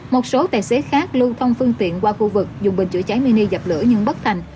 một số tài xế khác lưu thông phương tiện qua khu vực dùng bình chữa cháy mini dập lửa nhưng bất thành